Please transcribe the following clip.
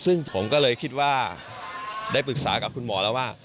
ซึ่งผมก็เลยคิดว่าได้ปรึกษากับคุณหมอแล้วว่า